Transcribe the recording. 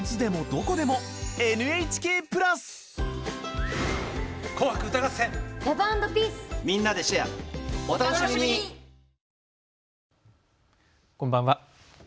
こんばんは。